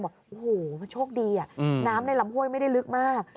บอกโอ้โหโชคดีน้ำในลำห้วยไม่ได้ลึกมาก